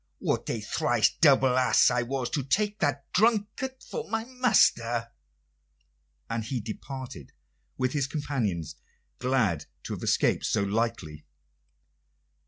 What a thrice double ass I was to take that drunkard for my master!" And he departed with his companions, glad to have escaped so lightly.